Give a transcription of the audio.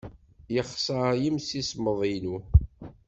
Yexṣer yimsismeḍ-inu.